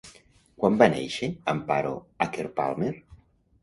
Quan va néixer Amparo Acker-Palmer?